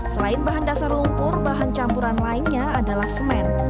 selain bahan dasar lumpur bahan campuran lainnya adalah semen